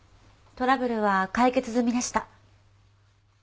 トラブルは解決済みでした。